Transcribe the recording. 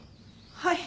はい。